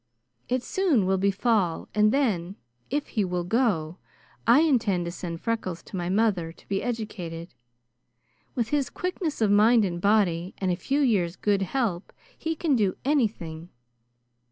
It soon will be fall, and then, if he will go, I intend to send Freckles to my mother to be educated. With his quickness of mind and body and a few years' good help he can do anything.